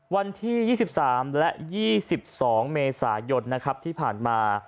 วันที่๒๓และ๒๒เมษายนนะครับที่ผ่านมา